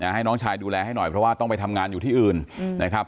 ให้น้องชายดูแลให้หน่อยเพราะว่าต้องไปทำงานอยู่ที่อื่นนะครับ